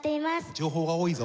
情報が多いぞ。